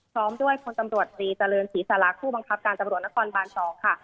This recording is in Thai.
พร้อมด้วยพลตำรวจตรีเจริญศรีสาระผู้บังคับการตำรวจนครบาน๒ค่ะ